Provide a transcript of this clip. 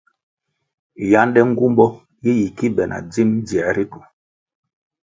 Yánde nğumbo ye yi ki be na dzim dzier ritu.